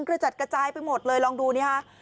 กระจัดกระจายไปหมดเลยลองดูนี่ฮะ